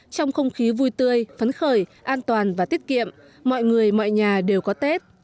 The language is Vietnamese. trong không khí vui tươi phấn khởi an toàn và tiết kiệm mọi người mọi nhà đều có tết